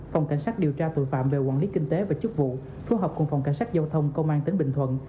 phòng cảnh sát điều tra tội phạm về quản lý kinh tế và chức vụ phối hợp cùng phòng cảnh sát giao thông công an tỉnh bình thuận